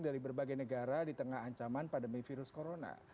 dari berbagai negara di tengah ancaman pandemi virus corona